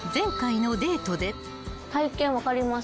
体験分かります。